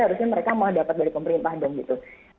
harusnya mereka mau dapat dari pemerintah dong gitu